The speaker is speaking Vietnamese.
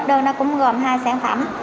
đơn đó cũng gồm hai sản phẩm